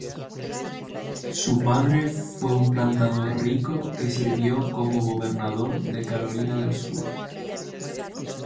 Su padre fue un plantador rico que sirvió como gobernador de Carolina del Sur.